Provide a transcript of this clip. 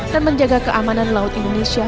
dan menjaga keamanan laut indonesia